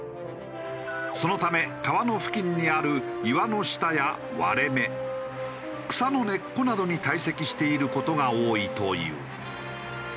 そのため川の付近にある岩の下や割れ目草の根っこなどに堆積している事が多いという。